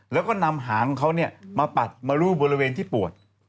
แล้วก็นำหางของเขามาปัดมารูดบริเวณที่ปวด